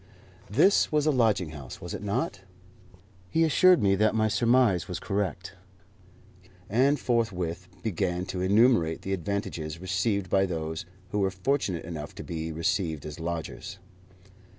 This was a lodging house, was it not? He assured me that my surmise was correct, and forthwith began to enumerate the advantages received by those who were fortunate enough to be received as lodgers.